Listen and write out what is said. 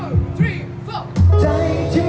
นึกมั้ยดี